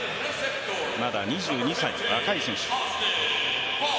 まだ２２歳、若い選手。